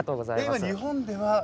今日本では。